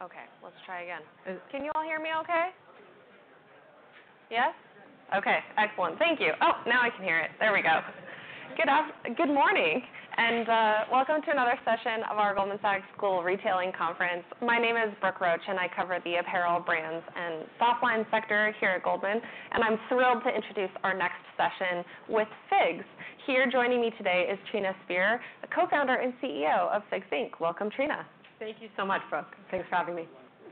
Okay, let's try again. Can you all hear me okay? Yes? Okay, excellent. Thank you. Oh, now I can hear it. There we go. Good morning, and welcome to another session of our Goldman Sachs Global Retailing conference. My name is Brooke Roach, and I cover the apparel brands and softlines sector here at Goldman, and I'm thrilled to introduce our next session with FIGS. Here joining me today is Trina Spear, the Co-founder and CEO of FIGS, Inc. Welcome, Trina. Thank you so much, Brooke. Thanks for having me.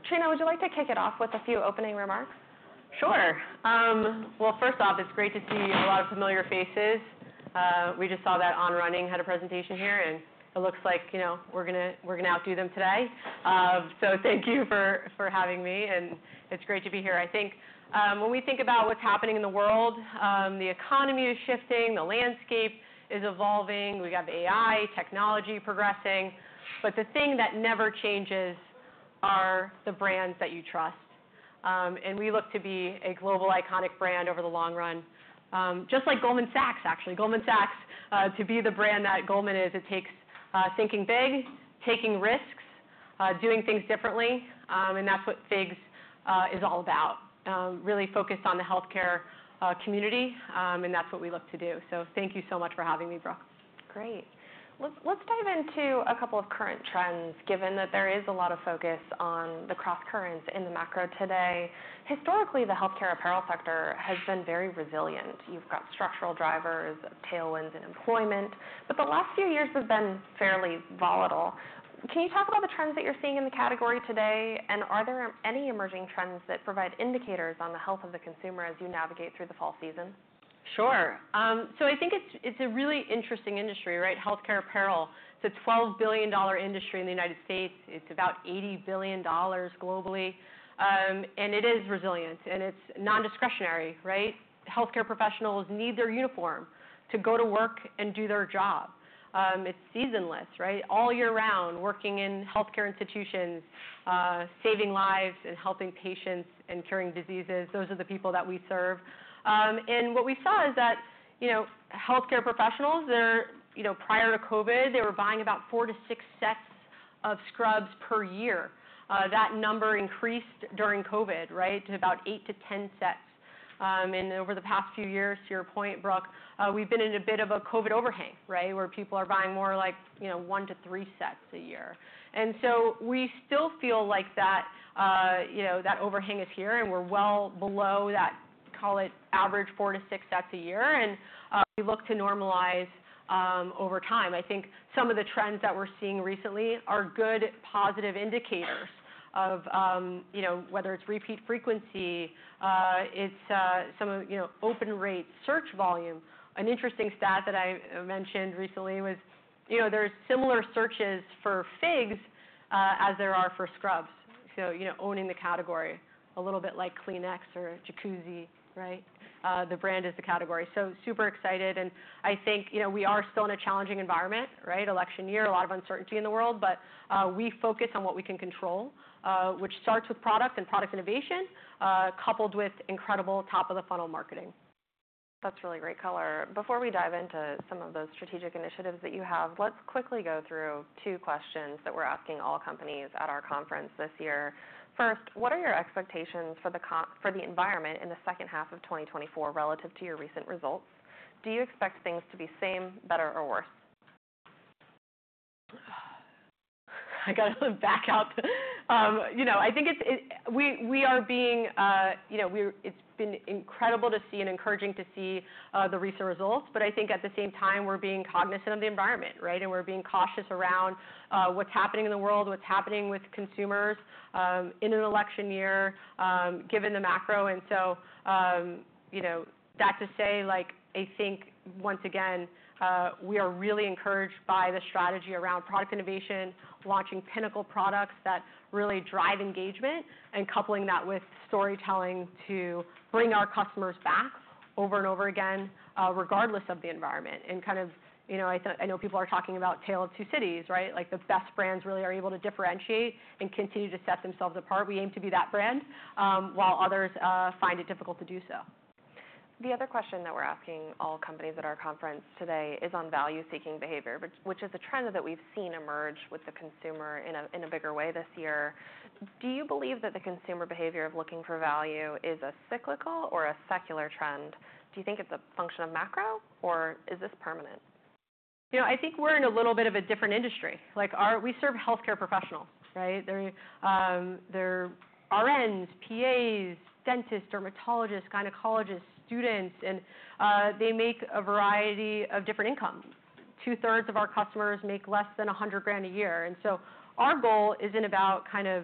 Trina, would you like to kick it off with a few opening remarks? Sure. Well, first off, it's great to see a lot of familiar faces. We just saw that On Running had a presentation here, and it looks like, you know, we're gonna outdo them today. So thank you for having me, and it's great to be here. I think, when we think about what's happening in the world, the economy is shifting, the landscape is evolving. We have AI, technology progressing, but the thing that never changes are the brands that you trust. And we look to be a global iconic brand over the long run, just like Goldman Sachs, actually. Goldman Sachs, to be the brand that Goldman is, it takes thinking big, taking risks, doing things differently, and that's what FIGS is all about. Really focused on the healthcare community, and that's what we look to do. So thank you so much for having me, Brooke. Great. Let's dive into a couple of current trends, given that there is a lot of focus on the crosscurrents in the macro today. Historically, the healthcare apparel sector has been very resilient. You've got structural drivers, tailwinds in employment, but the last few years have been fairly volatile. Can you talk about the trends that you're seeing in the category today, and are there any emerging trends that provide indicators on the health of the consumer as you navigate through the fall season? Sure. So I think it's a really interesting industry, right? Healthcare apparel. It's a $12 billion industry in the United States. It's about $80 billion globally, and it is resilient, and it's non-discretionary, right? Healthcare professionals need their uniform to go to work and do their job. It's seasonless, right? All year round, working in healthcare institutions, saving lives and helping patients and curing diseases. Those are the people that we serve, and what we saw is that, you know, healthcare professionals, they're, you know, prior to COVID, they were buying about 4-6 sets of scrubs per year. That number increased during COVID, right, to about 8-10 sets, and over the past few years, to your point, Brooke, we've been in a bit of a COVID overhang, right? Where people are buying more like, you know, one to three sets a year. And so we still feel like that, you know, that overhang is here, and we're well below that, call it, average four to six sets a year, and, we look to normalize, over time. I think some of the trends that we're seeing recently are good, positive indicators of, you know, whether it's repeat frequency, it's, some of, you know, open rate search volume. An interesting stat that I, mentioned recently was, you know, there's similar searches for FIGS, as there are for scrubs. So, you know, owning the category a little bit like Kleenex or Jacuzzi, right? The brand is the category. So super excited, and I think, you know, we are still in a challenging environment, right? Election year, a lot of uncertainty in the world, but we focus on what we can control, which starts with product and product innovation, coupled with incredible top-of-the-funnel marketing. That's really great color. Before we dive into some of those strategic initiatives that you have, let's quickly go through two questions that we're asking all companies at our conference this year. First, what are your expectations for the consumer environment in the second half of 2024 relative to your recent results? Do you expect things to be same, better, or worse? I gotta back out. You know, I think it's. We are being, you know, it's been incredible to see and encouraging to see the recent results, but I think at the same time, we're being cognizant of the environment, right? And we're being cautious around what's happening in the world, what's happening with consumers, in an election year, given the macro. And so, you know, that to say, like, I think once again, we are really encouraged by the strategy around product innovation, launching pinnacle products that really drive engagement, and coupling that with storytelling to bring our customers back over and over again, regardless of the environment. And kind of, you know, I know people are talking about Tale of Two Cities, right? Like, the best brands really are able to differentiate and continue to set themselves apart. We aim to be that brand, while others find it difficult to do so. The other question that we're asking all companies at our conference today is on value-seeking behavior, which is a trend that we've seen emerge with the consumer in a bigger way this year. Do you believe that the consumer behavior of looking for value is a cyclical or a secular trend? Do you think it's a function of macro, or is this permanent? You know, I think we're in a little bit of a different industry. Like, we serve healthcare professionals, right? They're RNs, PAs, dentists, dermatologists, gynecologists, students, and they make a variety of different incomes. Two-thirds of our customers make less than a hundred grand a year, and so our goal isn't about kind of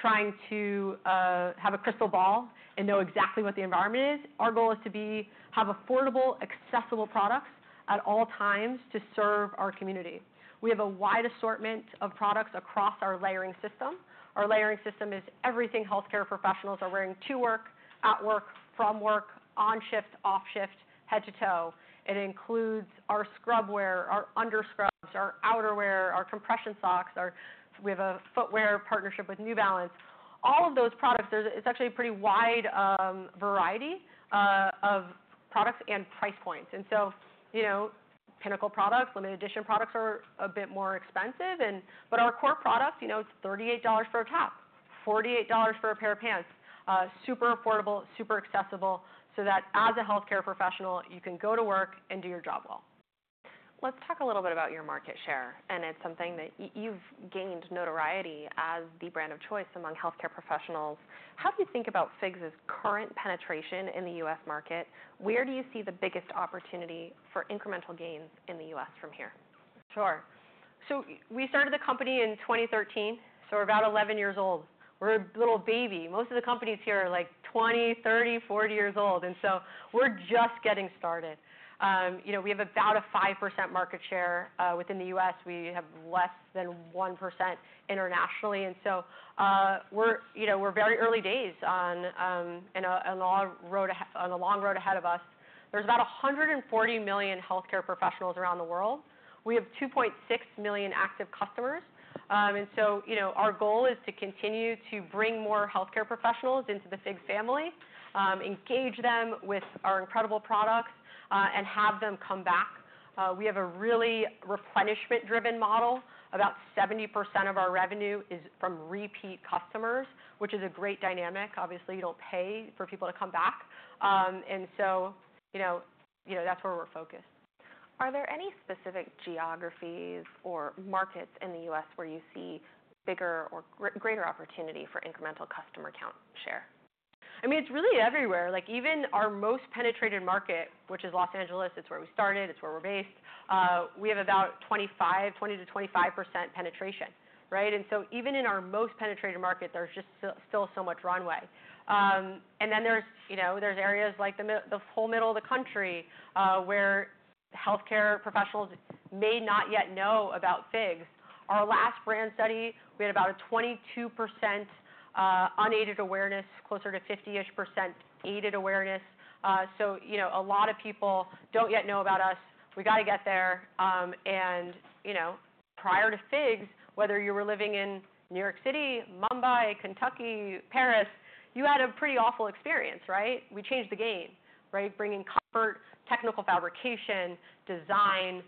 trying to have a crystal ball and know exactly what the environment is. Our goal is to have affordable, accessible products at all times to serve our community. We have a wide assortment of products across our layering system. Our layering system is everything healthcare professionals are wearing to work, at work, from work, on shift, off shift, head to toe. It includes our scrubwear, our underscrubs, our outerwear, our compression socks. We have a footwear partnership with New Balance. All of those products, it's actually a pretty wide variety of products and price points, and so, you know, pinnacle products, limited edition products are a bit more expensive, but our core products, you know, it's $38 for a top, $48 for a pair of pants. Super affordable, super accessible, so that as a healthcare professional, you can go to work and do your job well. Let's talk a little bit about your market share, and it's something that you've gained notoriety as the brand of choice among healthcare professionals. How do you think about FIGS' current penetration in the U.S. market? Where do you see the biggest opportunity for incremental gains in the U.S. from here? Sure. So we started the company in 2013, so we're about eleven years old. We're a little baby. Most of the companies here are, like, twenty, thirty, forty years old, and so we're just getting started. You know, we have about a 5% market share within the U.S. We have less than 1% internationally, and so we're, you know, we're very early days on, and a long road ahead of us. There's about 140 million healthcare professionals around the world. We have 2.6 million active customers. And so, you know, our goal is to continue to bring more healthcare professionals into the FIGS family, engage them with our incredible products, and have them come back. We have a really replenishment-driven model. About 70% of our revenue is from repeat customers, which is a great dynamic. Obviously, it'll pay for people to come back. And so, you know, that's where we're focused. Are there any specific geographies or markets in the U.S. where you see bigger or greater opportunity for incremental customer count share? I mean, it's really everywhere. Like, even our most penetrated market, which is Los Angeles, it's where we started, it's where we're based, we have about 25, 20-25% penetration, right? And so even in our most penetrated market, there's just still so much runway. And then there's, you know, there's areas like the whole middle of the country, where healthcare professionals may not yet know about FIGS. Our last brand study, we had about a 22% unaided awareness, closer to 50-ish% aided awareness. So, you know, a lot of people don't yet know about us. We got to get there. And, you know, prior to FIGS, whether you were living in New York City, Mumbai, Kentucky, Paris, you had a pretty awful experience, right? We changed the game, right? Bringing comfort, technical fabrication, design,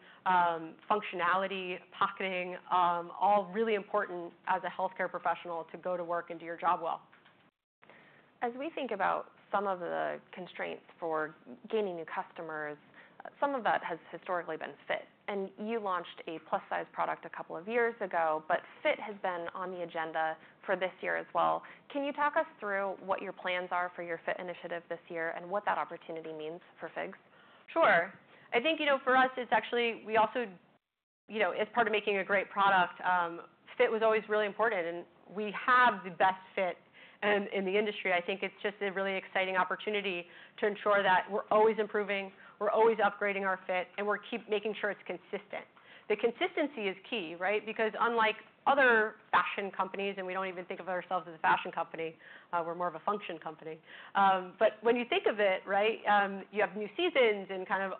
functionality, pocketing, all really important as a healthcare professional to go to work and do your job well. As we think about some of the constraints for gaining new customers, some of that has historically been fit, and you launched a plus-size product a couple of years ago, but fit has been on the agenda for this year as well. Can you talk us through what your plans are for your fit initiative this year and what that opportunity means for FIGS? Sure. I think, you know, for us, it's actually. We also, you know, as part of making a great product, fit was always really important, and we have the best fit in the industry. I think it's just a really exciting opportunity to ensure that we're always improving, we're always upgrading our fit, and we're keep making sure it's consistent. The consistency is key, right? Because unlike other fashion companies, and we don't even think of ourselves as a fashion company, we're more of a functional company. But when you think of it, right, you have new seasons and kind of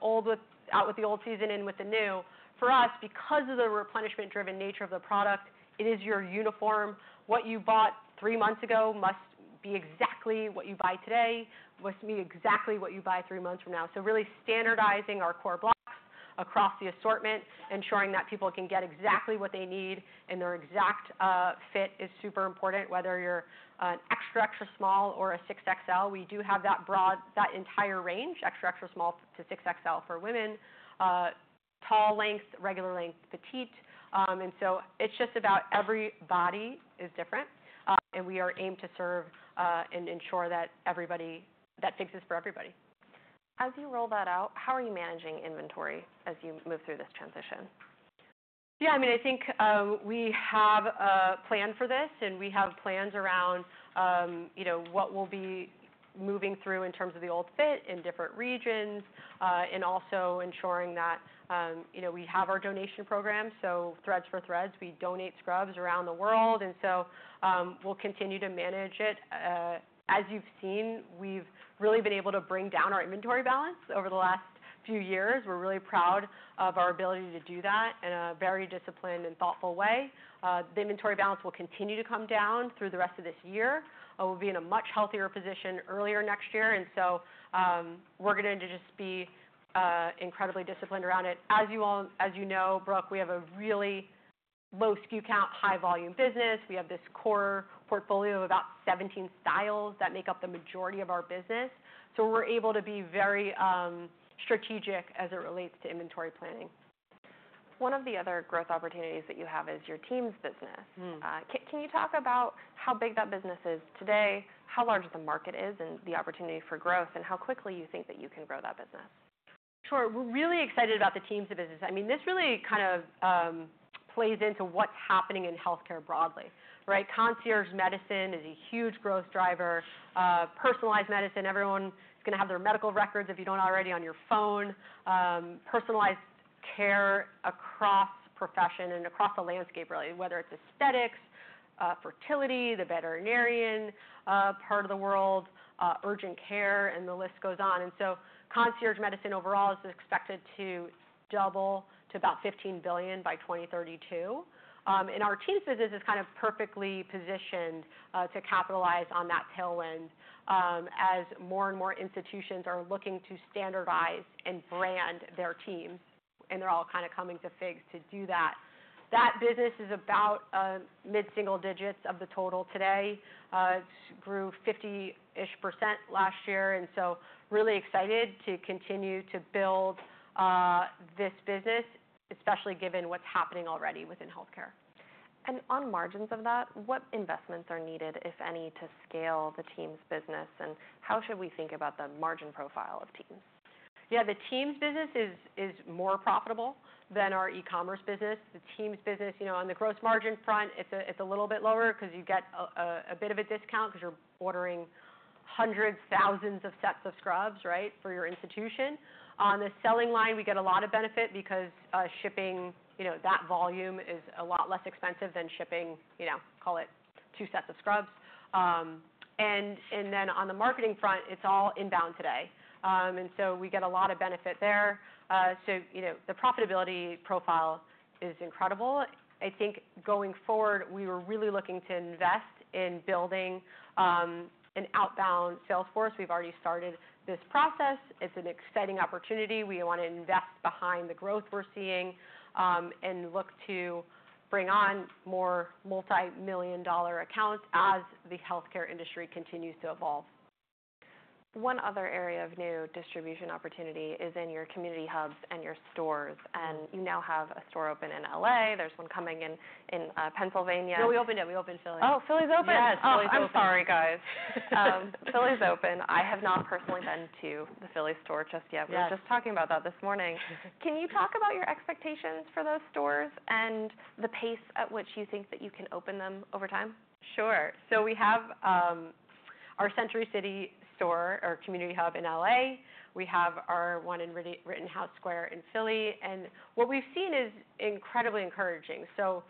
out with the old season, in with the new. For us, because of the replenishment-driven nature of the product, it is your uniform. What you bought three months ago must be exactly what you buy today, must be exactly what you buy three months from now. So really standardizing our core blocks across the assortment, ensuring that people can get exactly what they need, and their exact fit is super important, whether you're an extra, extra small or a 6XL. We do have that broad. That entire range, extra, extra small to 6XL for women, tall lengths, regular length, petite. And so it's just about every body is different, and we are aimed to serve, and ensure that everybody - that FIGS is for everybody. As you roll that out, how are you managing inventory as you move through this transition? Yeah, I mean, I think, we have a plan for this, and we have plans around, you know, what we'll be moving through in terms of the old fit in different regions, and also ensuring that, you know, we have our donation program. So Threads for Threads, we donate scrubs around the world, and so, we'll continue to manage it. As you've seen, we've really been able to bring down our inventory balance over the last few years. We're really proud of our ability to do that in a very disciplined and thoughtful way. The inventory balance will continue to come down through the rest of this year, and we'll be in a much healthier position earlier next year, and so, we're going to just be, incredibly disciplined around it. As you know, Brooke, we have a really low SKU count, high volume business. We have this core portfolio of about 17 styles that make up the majority of our business, so we're able to be very strategic as it relates to inventory planning. One of the other growth opportunities that you have is your Teams business. Mm. Can you talk about how big that business is today, how large the market is, and the opportunity for growth, and how quickly you think that you can grow that business? Sure. We're really excited about the Teams business. I mean, this really kind of plays into what's happening in healthcare broadly, right? Concierge medicine is a huge growth driver, personalized medicine. Everyone is gonna have their medical records, if you don't already, on your phone, personalized care across profession and across the landscape, really, whether it's aesthetics, fertility, the veterinarian part of the world, urgent care, and the list goes on. And so concierge medicine overall is expected to double to about $15 billion by 2032. And our Teams business is kind of perfectly positioned to capitalize on that tailwind, as more and more institutions are looking to standardize and brand their Teams, and they're all kind of coming to FIGS to do that. That business is about mid-single digits of the total today. It grew 50%-ish last year, and so really excited to continue to build this business, especially given what's happening already within healthcare. On margins of that, what investments are needed, if any, to scale the Teams business, and how should we think about the margin profile of Teams? Yeah, the Teams business is more profitable than our e-commerce business. The Teams business, you know, on the gross margin front, it's a little bit lower because you get a bit of a discount because you're ordering hundreds, thousands of sets of scrubs, right, for your institution. On the selling line, we get a lot of benefit because shipping, you know, that volume is a lot less expensive than shipping, you know, call it two sets of scrubs. And then on the marketing front, it's all inbound today. And so we get a lot of benefit there. So, you know, the profitability profile is incredible. I think going forward, we were really looking to invest in building an outbound sales force. We've already started this process. It's an exciting opportunity. We want to invest behind the growth we're seeing, and look to bring on more multimillion-dollar accounts as the healthcare industry continues to evolve. One other area of new distribution opportunity is in Community Hubs and your stores, and you now have a store open in LA. There's one coming in Pennsylvania. No, we opened it. We opened Philly. Oh, Philly's open? Yes, Philly's open. Oh, I'm sorry, guys. Philly's open. I have not personally been to the Philly store just yet. Yes. We were just talking about that this morning. Can you talk about your expectations for those stores and the pace at which you think that you can open them over time? Sure. So we have our Century City store Community Hub in LA. We have our one in Rittenhouse Square in Philly, and what we've seen is incredibly encouraging. So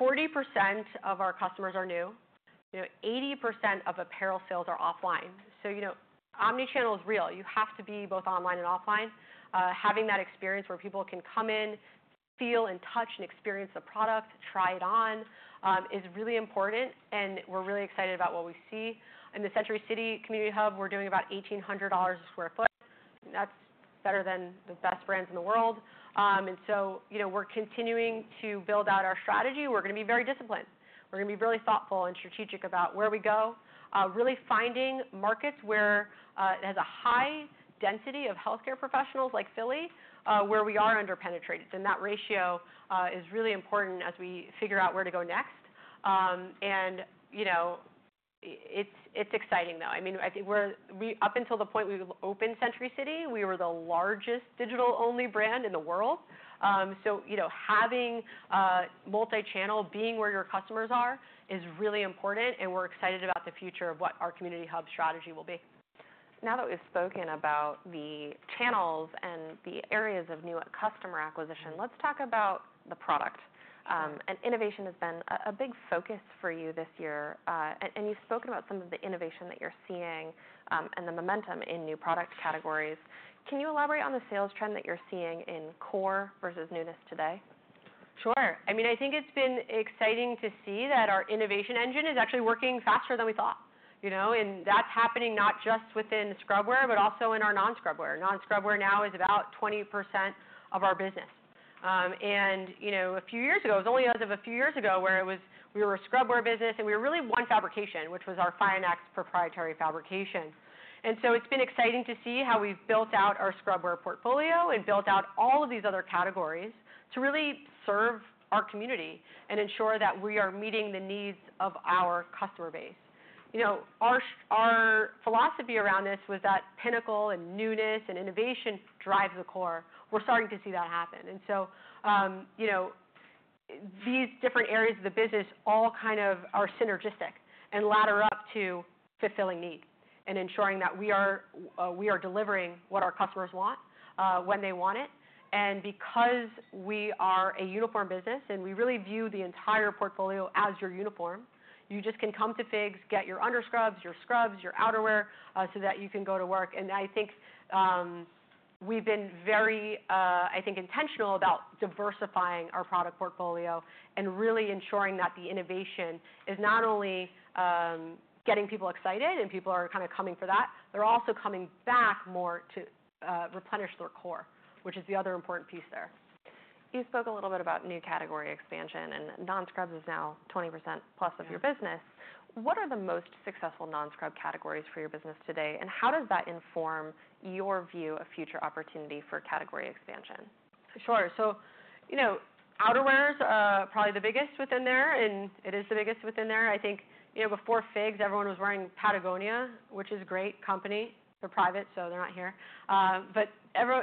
40% of our customers are new. You know, 80% of apparel sales are offline. So, you know, omni-channel is real. You have to be both online and offline. Having that experience where people can come in, feel and touch and experience the product, try it on, is really important, and we're really excited about what we see. In the Century Community Hub, we're doing about $1,800 a sq ft, and that's better than the best brands in the world. And so, you know, we're continuing to build out our strategy. We're gonna be very disciplined. We're gonna be really thoughtful and strategic about where we go, really finding markets where it has a high density of healthcare professionals like Philly, where we are underpenetrated, and that ratio is really important as we figure out where to go next. And, you know, it's exciting, though. I mean, I think we're up until the point we opened Century City, we were the largest digital-only brand in the world. So, you know, having a multi-channel, being where your customers are, is really important, and we're excited about the future of what Community Hub strategy will be. Now that we've spoken about the channels and the areas of new customer acquisition, let's talk about the product. Sure. Innovation has been a big focus for you this year, and you've spoken about some of the innovation that you're seeing, and the momentum in new product categories. Can you elaborate on the sales trend that you're seeing in core versus newness today? Sure. I mean, I think it's been exciting to see that our innovation engine is actually working faster than we thought, you know, and that's happening not just within scrubwear, but also in our non-scrubwear. Non-scrubwear now is about 20% of our business. And, you know, a few years ago, it was only as of a few years ago, where it was. We were a scrubwear business, and we were really one fabric, which was our FIONx proprietary fabric. And so it's been exciting to see how we've built out our scrubwear portfolio and built out all of these other categories to really serve our community and ensure that we are meeting the needs of our customer base. You know, our philosophy around this was that pinnacle and newness and innovation drives the core. We're starting to see that happen. And so, you know, these different areas of the business all kind of are synergistic and ladder up to fulfilling needs and ensuring that we are delivering what our customers want, when they want it. And because we are a uniform business, and we really view the entire portfolio as your uniform, you just can come to FIGS, get your underscrubs, your scrubs, your outerwear, so that you can go to work. And I think, we've been very, I think, intentional about diversifying our product portfolio and really ensuring that the innovation is not only getting people excited and people are kind of coming for that, they're also coming back more to replenish their core, which is the other important piece there. You spoke a little bit about new category expansion, and non-scrubs is now 20% plus of your business. Yeah. What are the most successful non-scrub categories for your business today, and how does that inform your view of future opportunity for category expansion? Sure, so you know, outerwear is probably the biggest within there, and it is the biggest within there. I think, you know, before FIGS, everyone was wearing Patagonia, which is a great company. They're private, so they're not here.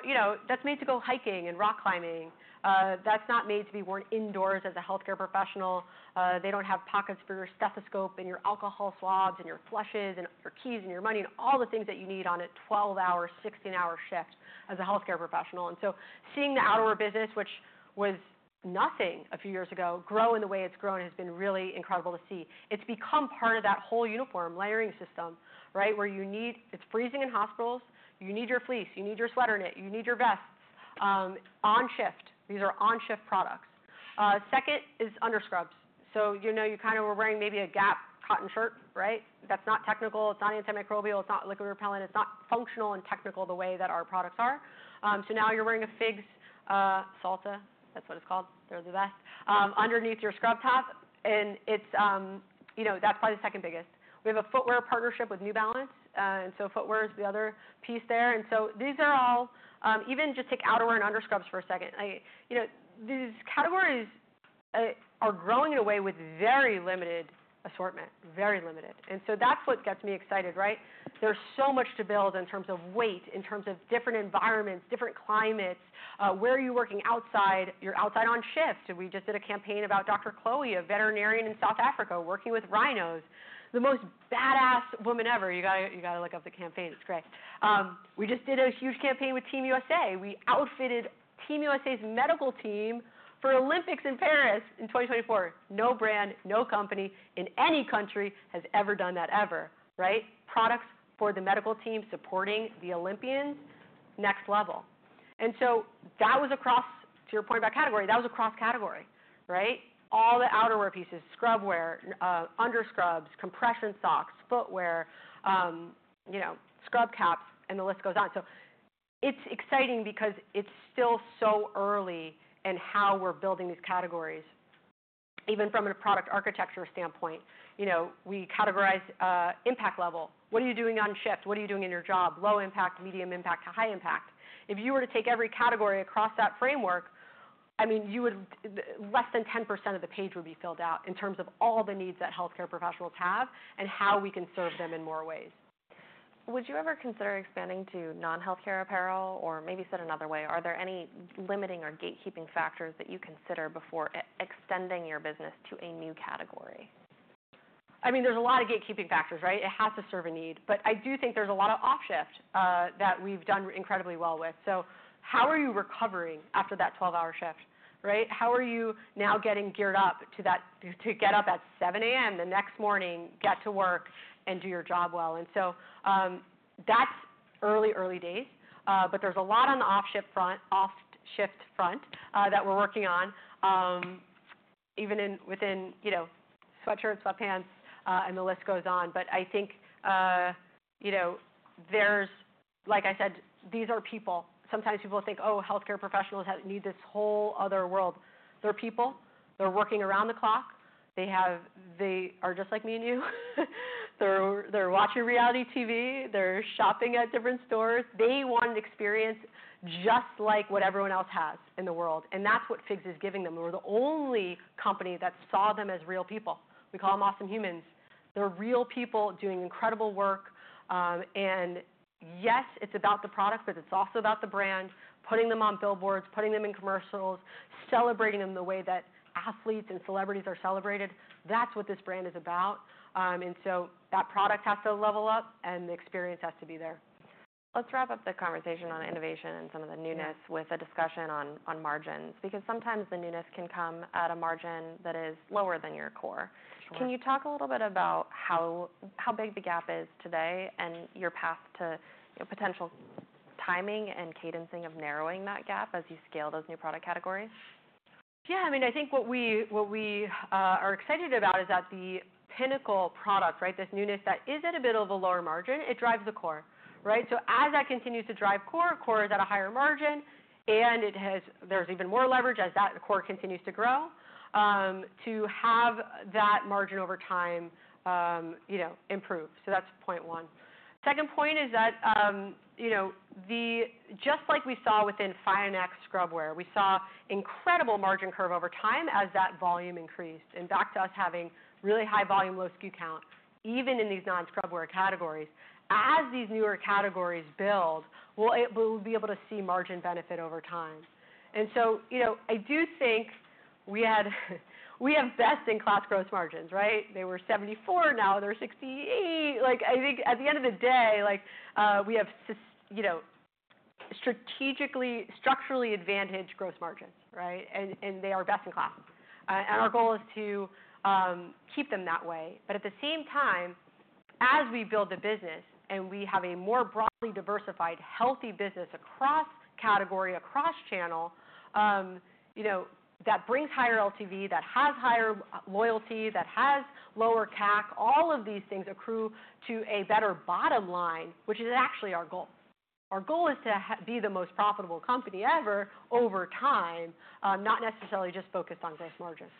You know, that's made to go hiking and rock climbing. That's not made to be worn indoors as a healthcare professional. They don't have pockets for your stethoscope and your alcohol swabs and your flushes and your keys and your money, and all the things that you need on a 12-hour, 16-hour shift as a healthcare professional. And so seeing the outerwear business, which was nothing a few years ago, grow in the way it's grown, has been really incredible to see. It's become part of that whole uniform layering system, right? Where you need. It's freezing in hospitals. You need your fleece, you need your sweater knit, you need your vest. On shift, these are on shift products. Second is underscrubs. So, you know, you kind of were wearing maybe a Gap cotton shirt, right? That's not technical, it's not antimicrobial, it's not liquid repellent, it's not functional and technical the way that our products are. So now you're wearing a FIGS Salta, that's what it's called, they're the best, underneath your scrub top, and it's, you know, that's probably the second biggest. We have a footwear partnership with New Balance, and so footwear is the other piece there. And so these are all. Even just take outerwear and underscrubs for a second. You know, these categories are growing in a way with very limited assortment. Very limited. And so that's what gets me excited, right? There's so much to build in terms of weight, in terms of different environments, different climates. Where are you working outside? You're outside on shift. We just did a campaign about Dr. Chloe, a veterinarian in South Africa, working with rhinos. The most badass woman ever. You gotta look up the campaign, it's great. We just did a huge campaign with Team USA. We outfitted Team USA's medical team for Olympics in Paris in 2024. No brand, no company in any country has ever done that, ever, right? Products for the medical team supporting the Olympians, next level. And so that was across. To your point about category, that was across category, right? All the outerwear pieces, scrubwear, underscrubs, compression socks, footwear, you know, scrub caps, and the list goes on. So it's exciting because it's still so early in how we're building these categories, even from a product architecture standpoint. You know, we categorize impact level. What are you doing on shift? What are you doing in your job? Low impact, medium impact, to high impact. If you were to take every category across that framework, I mean, you would. Less than 10% of the page would be filled out in terms of all the needs that healthcare professionals have, and how we can serve them in more ways. Would you ever consider expanding to non-healthcare apparel? Or maybe said another way, are there any limiting or gatekeeping factors that you consider before extending your business to a new category? I mean, there's a lot of gatekeeping factors, right? It has to serve a need. But I do think there's a lot of off shift that we've done incredibly well with. So how are you recovering after that 12-hour shift, right? How are you now getting geared up to get up at 7:00 A.M. the next morning, get to work, and do your job well? So that's early days, but there's a lot on the off shift front that we're working on, even within, you know, sweatshirts, sweatpants, and the list goes on. But I think, you know, there's... Like I said, these are people. Sometimes people think, "Oh, healthcare professionals have need this whole other world." They're people, they're working around the clock. They are just like me and you. They're watching reality TV, they're shopping at different stores. They want an experience just like what everyone else has in the world, and that's what FIGS is giving them. We're the only company that saw them as real people. We call them awesome humans. They're real people doing incredible work. And yes, it's about the product, but it's also about the brand, putting them on billboards, putting them in commercials, celebrating them the way that athletes and celebrities are celebrated. That's what this brand is about. And so that product has to level up, and the experience has to be there. Let's wrap up the conversation on innovation and some of the newness. Yeah... with a discussion on margins, because sometimes the newness can come at a margin that is lower than your core. Sure. Can you talk a little bit about how big the gap is today, and your path to potential timing and cadencing of narrowing that gap as you scale those new product categories? Yeah, I mean, I think what we are excited about is that the pinnacle product, right, this newness that is at a bit of a lower margin, it drives the core, right? So as that continues to drive core, core is at a higher margin, and there's even more leverage as that core continues to grow, to have that margin over time, you know, improve. So that's point one. Second point is that, you know, just like we saw within FIONx scrubwear, we saw incredible margin curve over time as that volume increased, and back to us having really high volume, low SKU count, even in these non-scrubwear categories. As these newer categories build, we'll be able to see margin benefit over time. And so, you know, I do think we had, we have best-in-class growth margins, right? They were 74%, now they're 68%. Like, I think at the end of the day, like, we have strategically, structurally advantaged growth margins, right? And they are best in class. And our goal is to keep them that way. But at the same time, as we build the business and we have a more broadly diversified, healthy business across category, across channel, you know, that brings higher LTV, that has higher loyalty, that has lower CAC, all of these things accrue to a better bottom line, which is actually our goal. Our goal is to be the most profitable company ever over time, not necessarily just focused on gross margins.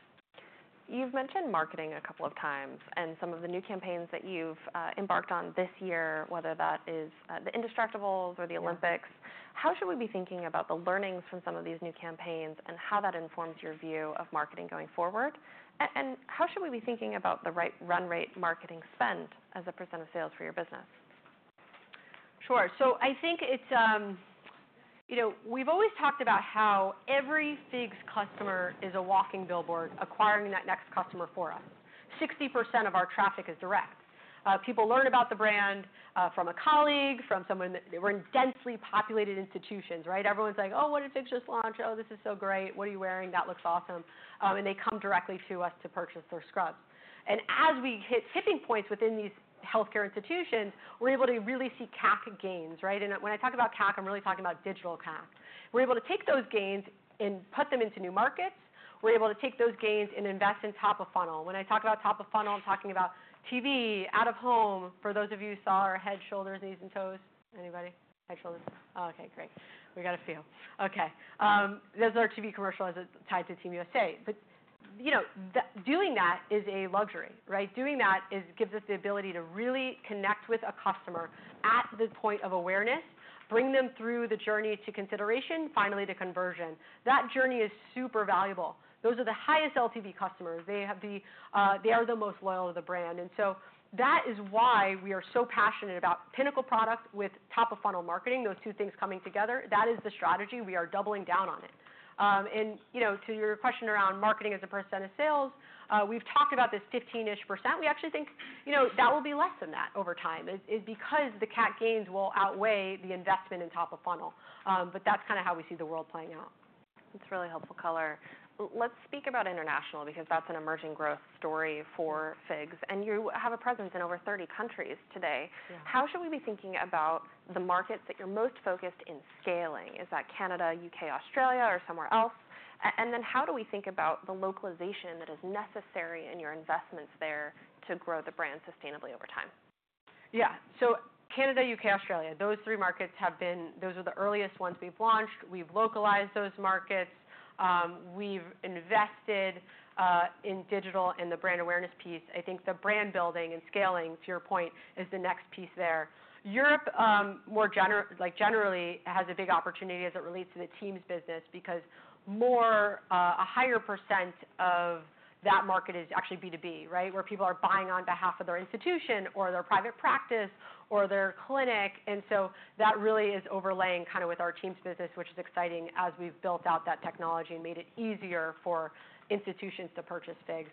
You've mentioned marketing a couple of times, and some of the new campaigns that you've embarked on this year, whether that is the Indestructibles or the Olympics. Yeah. How should we be thinking about the learnings from some of these new campaigns, and how that informs your view of marketing going forward? And how should we be thinking about the right run rate marketing spend as a % of sales for your business? Sure, so I think it's. You know, we've always talked about how every FIGS customer is a walking billboard, acquiring that next customer for us. 60% of our traffic is direct. People learn about the brand from a colleague, from someone they were in densely populated institutions, right? Everyone's like: "Oh, what did FIGS just launch? Oh, this is so great. What are you wearing? That looks awesome." And they come directly to us to purchase their scrubs. And as we hit tipping points within these healthcare institutions, we're able to really see CAC gains, right? And when I talk about CAC, I'm really talking about digital CAC. We're able to take those gains and put them into new markets. We're able to take those gains and invest in top of funnel. When I talk about top of funnel, I'm talking about TV, out of home. For those of you who saw our Head, Shoulders, Knees and Toes. Anybody? Head, Shoulders... Oh, okay, great. We got a few. Okay, that's our TV commercial as it's tied to Team USA. But, you know, doing that is a luxury, right? Doing that gives us the ability to really connect with a customer at the point of awareness, bring them through the journey to consideration, finally, to conversion. That journey is super valuable. Those are the highest LTV customers. They have the... They are the most loyal to the brand, and so that is why we are so passionate about pinnacle product with top-of-funnel marketing. Those two things coming together, that is the strategy. We are doubling down on it. You know, to your question around marketing as a % of sales, we've talked about this 15%-ish. We actually think, you know, that will be less than that over time. It because the CAC gains will outweigh the investment in top of funnel. But that's kind of how we see the world playing out. That's really helpful color. Let's speak about international, because that's an emerging growth story for FIGS, and you have a presence in over 30 countries today. Yeah. How should we be thinking about the markets that you're most focused in scaling? Is that Canada, UK, Australia, or somewhere else? And then how do we think about the localization that is necessary in your investments there to grow the brand sustainably over time? Yeah. So Canada, UK, Australia, those three markets have been... Those are the earliest ones we've launched. We've localized those markets. We've invested in digital and the brand awareness piece. I think the brand building and scaling, to your point, is the next piece there. Europe, more generally, has a big opportunity as it relates to the Teams business, because more, a higher percent of that market is actually B2B, right? Where people are buying on behalf of their institution or their private practice or their clinic, and so that really is overlaying kind of with our Teams business, which is exciting as we've built out that technology and made it easier for institutions to purchase FIGS.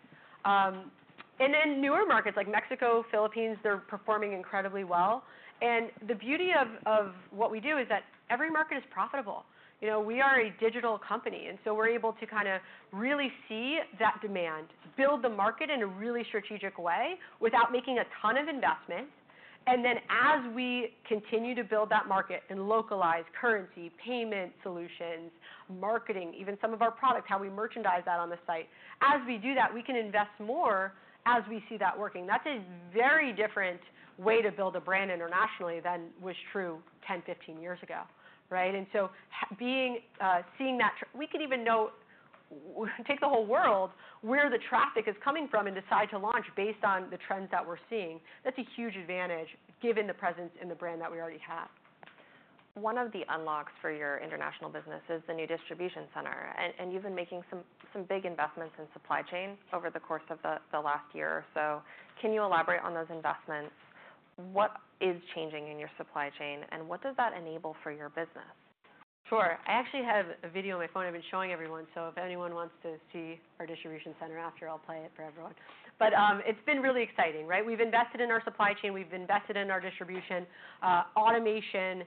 And then newer markets like Mexico, Philippines, they're performing incredibly well. And the beauty of what we do is that every market is profitable. You know, we are a digital company, and so we're able to kind of really see that demand, build the market in a really strategic way without making a ton of investment. And then, as we continue to build that market and localize currency, payment solutions, marketing, even some of our products, how we merchandise that on the site, as we do that, we can invest more as we see that working. That's a very different way to build a brand internationally than was true 10, 15 years ago, right? And so seeing that. We could even go take the whole world, where the traffic is coming from, and decide to launch based on the trends that we're seeing. That's a huge advantage, given the presence of the brand that we already have. One of the unlocks for your international business is the new distribution center, and you've been making some big investments in supply chain over the course of the last year or so. Can you elaborate on those investments? What is changing in your supply chain, and what does that enable for your business? Sure. I actually have a video on my phone I've been showing everyone, so if anyone wants to see our distribution center after, I'll play it for everyone. But, it's been really exciting, right? We've invested in our supply chain. We've invested in our distribution automation,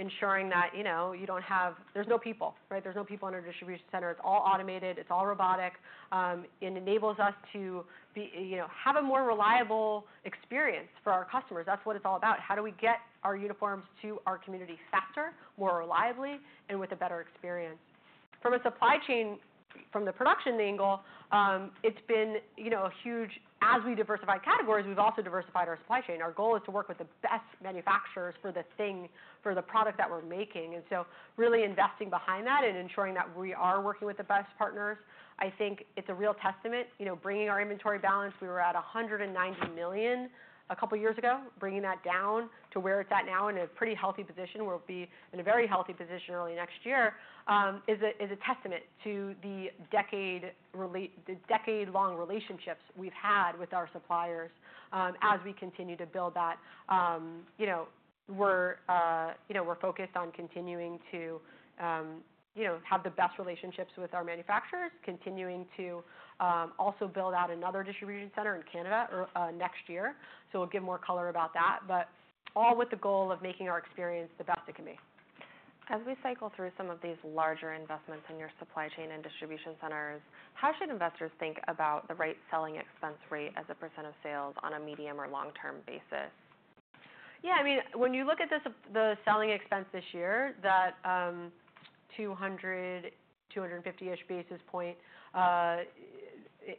ensuring that, you know, you don't have... There's no people, right? There's no people in our distribution center. It's all automated. It's all robotic. It enables us to be, you know, have a more reliable experience for our customers. That's what it's all about. How do we get our uniforms to our community faster, more reliably, and with a better experience? From a supply chain, from the production angle, it's been, you know, a huge as we diversify categories, we've also diversified our supply chain. Our goal is to work with the best manufacturers for the thing, for the product that we're making, and so really investing behind that and ensuring that we are working with the best partners. I think it's a real testament. You know, bringing our inventory balance, we were at $190 million a couple of years ago. Bringing that down to where it's at now in a pretty healthy position, we'll be in a very healthy position early next year, is a testament to the decade-long relationships we've had with our suppliers. As we continue to build that, you know, we're focused on continuing to have the best relationships with our manufacturers, continuing to also build out another distribution center in Canada next year. So we'll give more color about that, but all with the goal of making our experience the best it can be. As we cycle through some of these larger investments in your supply chain and distribution centers, how should investors think about the right selling expense rate as a % of sales on a medium or long-term basis? Yeah, I mean, when you look at this, the selling expense this year, that 200-250-ish basis points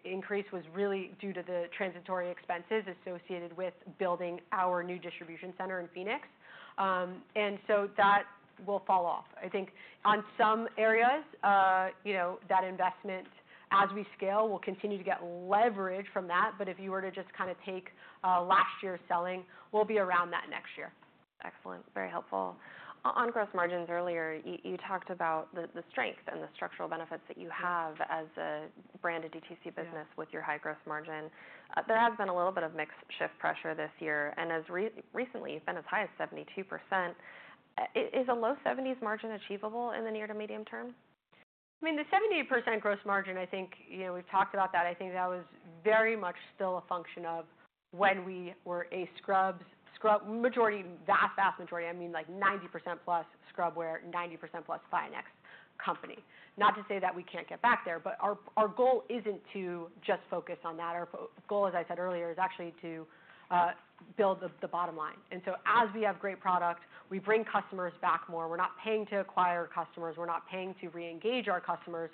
increase was really due to the transitory expenses associated with building our new distribution center in Phoenix. And so that will fall off. I think on some areas, you know, that investment as we scale, will continue to get leverage from that. But if you were to just kind of take last year's selling, we'll be around that next year. Excellent. Very helpful. On gross margins earlier, you talked about the strength and the structural benefits that you have as a branded DTC business- Yeah... with your high gross margin. There has been a little bit of mixed shift pressure this year, and as recently, it's been as high as 72%. Is a low 70s margin achievable in the near to medium term? I mean, the 78% gross margin, I think, you know, we've talked about that. I think that was very much still a function of when we were a scrubs, scrub majority, vast majority, I mean, like 90% plus scrubwear, 90% plus FIONx company. Not to say that we can't get back there, but our goal isn't to just focus on that. Our goal, as I said earlier, is actually to build the bottom line. And so as we have great product, we bring customers back more. We're not paying to acquire customers. We're not paying to reengage our customers.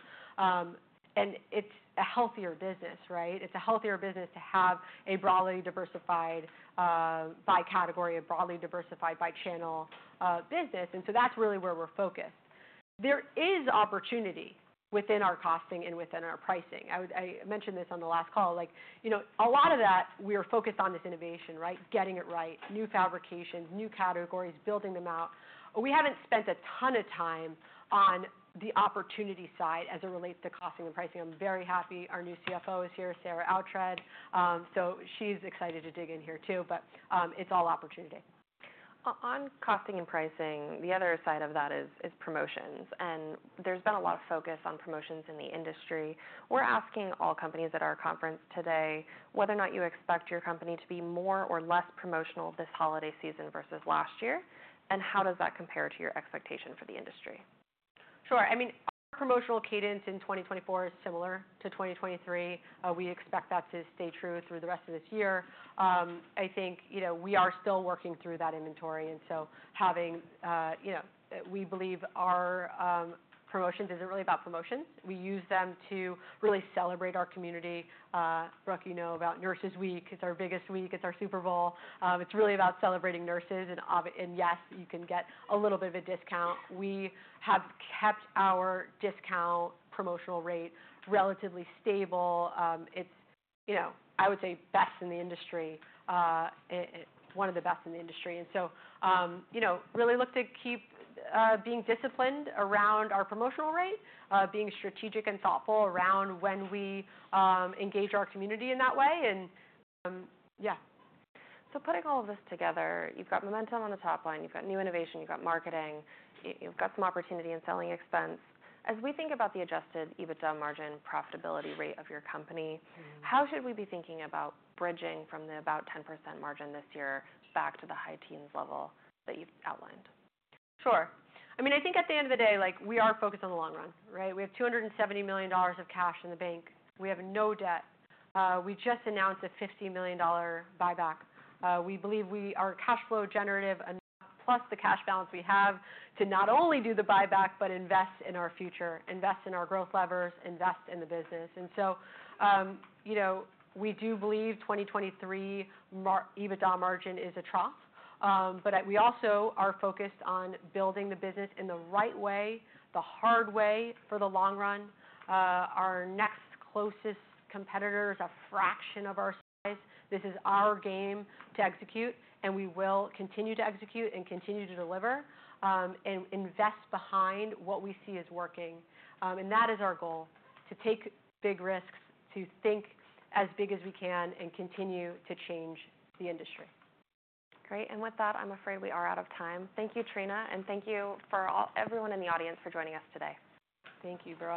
And it's a healthier business, right? It's a healthier business to have a broadly diversified by category, a broadly diversified by channel business, and so that's really where we're focused. There is opportunity within our costing and within our pricing. I mentioned this on the last call. Like, you know, a lot of that, we are focused on this innovation, right? Getting it right, new fabrications, new categories, building them out. We haven't spent a ton of time on the opportunity side as it relates to costing and pricing. I'm very happy our new CFO is here, Sarah Oughtred. So she's excited to dig in here, too, but it's all opportunity. On costing and pricing, the other side of that is promotions, and there's been a lot of focus on promotions in the industry. We're asking all companies at our conference today whether or not you expect your company to be more or less promotional this holiday season versus last year, and how does that compare to your expectation for the industry? Sure. I mean, our promotional cadence in twenty twenty-four is similar to twenty twenty-three. We expect that to stay true through the rest of this year. I think, you know, we are still working through that inventory, and so having... You know, we believe our promotions isn't really about promotions. We use them to really celebrate our community. Brooke, you know about Nurses Week. It's our biggest week. It's our Super Bowl. It's really about celebrating nurses and yes, you can get a little bit of a discount. We have kept our discount promotional rate relatively stable. It's, you know, I would say, best in the industry. It's one of the best in the industry, and so, you know, really look to keep being disciplined around our promotional rate, being strategic and thoughtful around when we engage our community in that way, and yeah. So putting all of this together, you've got momentum on the top line, you've got new innovation, you've got marketing, you've got some opportunity in selling expense. As we think about the adjusted EBITDA margin profitability rate of your company- Mm-hmm. How should we be thinking about bridging from the about 10% margin this year back to the high teens level that you've outlined? Sure. I mean, I think at the end of the day, like, we are focused on the long run, right? We have $270 million of cash in the bank. We have no debt. We just announced a $50 million buyback. We believe we are cash flow generative enough, plus the cash balance we have, to not only do the buyback but invest in our future, invest in our growth levers, invest in the business. And so, you know, we do believe 2023 EBITDA margin is a trough. But we also are focused on building the business in the right way, the hard way, for the long run. Our next closest competitor is a fraction of our size. This is our game to execute, and we will continue to execute and continue to deliver, and invest behind what we see as working, and that is our goal, to take big risks, to think as big as we can, and continue to change the industry. Great. And with that, I'm afraid we are out of time. Thank you, Trina, and thank you for all, everyone in the audience for joining us today. Thank you, Brooke.